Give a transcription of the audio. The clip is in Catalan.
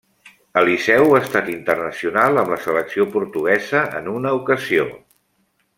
Eliseu ha estat internacional amb la selecció portuguesa en una ocasió.